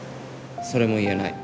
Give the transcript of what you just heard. それも言えない。